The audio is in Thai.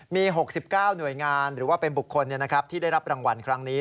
มี๖๙หน่วยงานหรือว่าเป็นบุคคลที่ได้รับรางวัลครั้งนี้